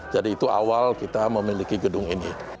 jadi itu awal kita memiliki gedung ini